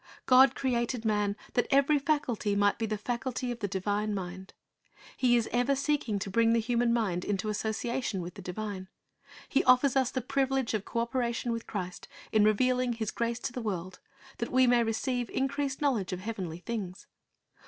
God created man, that every faculty might be the faculty of the divine mind; and He is ever seeking to bring the human mind into association with the divine. He offers us the privilege of co operation with Christ in revealing His grace to the worlds that we may receive increased knowledge of heavenly things.